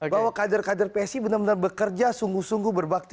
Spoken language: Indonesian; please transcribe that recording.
bahwa kader kader psi benar benar bekerja sungguh sungguh berbakti